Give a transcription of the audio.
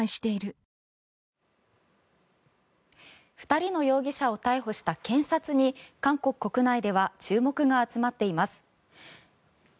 ２人の容疑者を逮捕した検察に韓国国内では注目が集まっています。